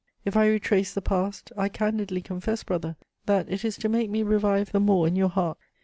If I retrace the past, I candidly confess, brother, that it is to make me revive the more in your heart.